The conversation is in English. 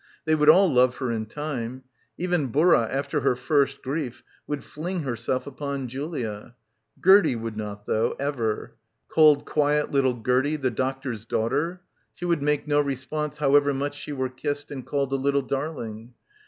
They would all love her in time. Even Burra after her first grief would fling herself upon Julia ... Gertie would not though, ever. Cold, quiet little Gertie, the doc tor's daughter. She would make no response however much she were kissed and called a little darling.